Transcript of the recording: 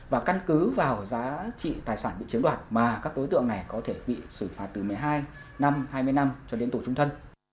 và căn cứ vào giá trị tài sản bị chiếm đoạt mà các đối tượng này có thể bị xử phạt từ một mươi hai năm hai mươi năm cho đến tù trung thân